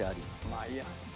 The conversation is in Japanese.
まあいいや。